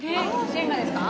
ジェンガですか？